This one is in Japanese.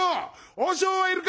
和尚はいるか？